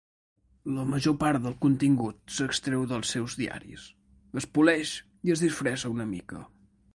La major part del contingut s'extreu dels seus diaris, es poleix i es disfressa una mica.